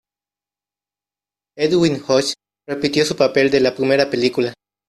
Edwin Hodge repitió su papel de la primera película.